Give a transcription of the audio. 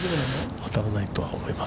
◆当たらないと思います。